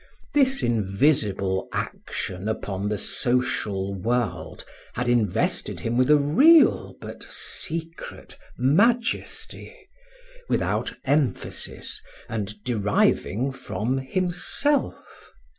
This invisible action upon the social world had invested him with a real, but secret, majesty, without emphasis and deriving from himself.